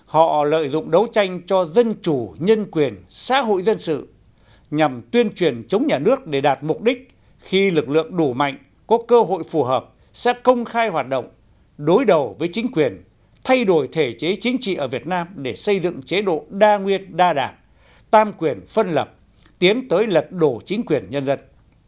họ lợi dụng đấu tranh cho dân chủ nhân quyền xã hội dân sự nhằm tuyên truyền chống nhà nước để đạt mục đích khi lực lượng đủ mạnh có cơ hội phù hợp sẽ công khai hoạt động đối đầu với chính quyền thay đổi thể chế chính trị ở việt nam để xây dựng chế độ đa nguyên đa đảng tam quyền phân lập tiến tới lật đổ chính quyền nhân dân